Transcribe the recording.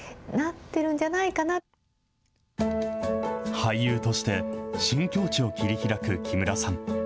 俳優として、新境地を切り開く木村さん。